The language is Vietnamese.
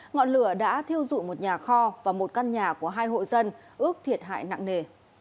ngọn lửa đã thiêu dụi một nhà kho và một căn nhà của hai hộ dân ước thiệt hại nặng nề